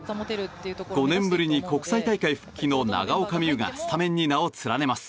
５年ぶりに国際大会復帰の長岡望悠がスタメンに名を連ねます。